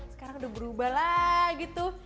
sekarang udah berubah lah gitu